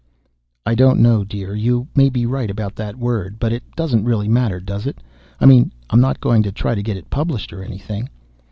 "I don't know, dear. You may be right about that word, but it doesn't really matter, does it? I mean, I'm not going to try to get it published, or anything."